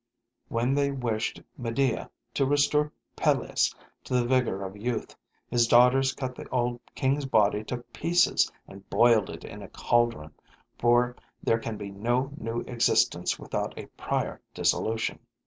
When they wished Medea to restore Pelias to the vigor of youth, his daughters cut the old king's body to pieces and boiled it in a cauldron, for there can be no new existence without a prior dissolution.